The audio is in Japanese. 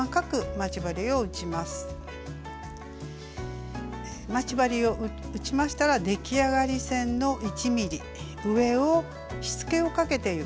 待ち針を打ちましたら出来上がり線の１ｍｍ上をしつけをかけていきます。